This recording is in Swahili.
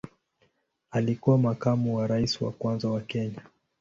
Alikuwa makamu wa rais wa kwanza wa Kenya.